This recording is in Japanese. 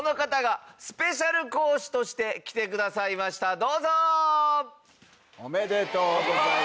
どうぞ！